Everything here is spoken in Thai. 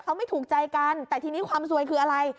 เขาไม่ถูกใจกันแต่ทีนี้ความซวยคืออะไร